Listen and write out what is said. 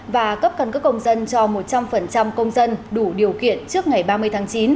và cấp căn cứ công dân cho một trăm linh công dân đủ điều kiện trước ngày ba mươi tháng chín